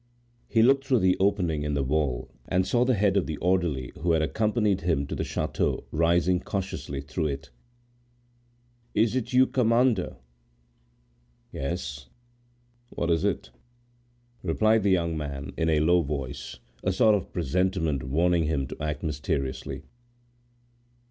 He looked toward the opening in the wall, and saw the head of the orderly who had accompanied him to the chateau rising cautiously through it. "Is it you, commander?" "Yes. What is it?" replied the young man, in a low voice, a sort of presentiment warning him to act mysteriously.